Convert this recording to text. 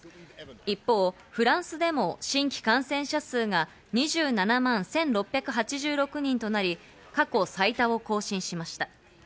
一方、フランスでも新規感染者数が２７万１６８６人となり、過去最多を更新しました。